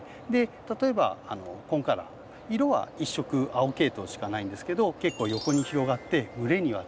例えばコンカラー色は１色青系統しかないんですけど結構横に広がって蒸れには強い。